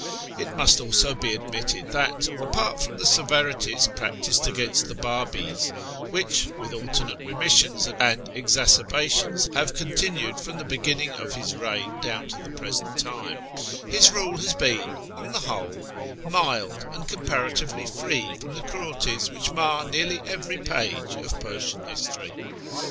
It must also be admitted that, apart from the severities prac tised against the Babis (which, with alternate remissions and exacerbations, have continued from the beginning of his reign down to the present time), his rule has been, on the whole, teherAn lOI inild, and comparatively free from the cruelties which mar nearly every page of Persian history.